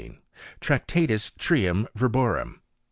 Tractatus Trium Verborum.